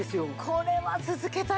これは続けたいですね。